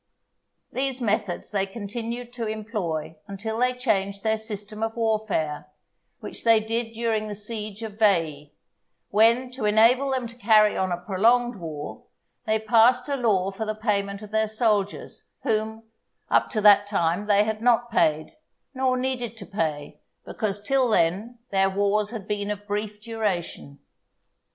These methods they continued to employ until they changed their system of warfare, which they did during the siege of Veii; when to enable them to carry on a prolonged war, they passed a law for the payment of their soldiers, whom, up to that time they had not paid, nor needed to pay, because till then their wars had been of brief duration.